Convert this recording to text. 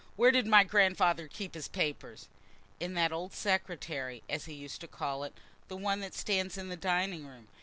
Where did my grandfather keep his papers?" "In that old secretary, as he used to call it; the one that stands in the dining room.